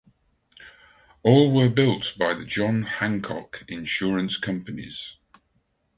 All were built by the John Hancock Insurance companies.